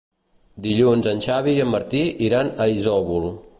Dilluns en Xavi i en Martí iran a Isòvol.